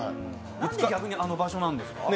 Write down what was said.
何で逆にあの場所なんですか？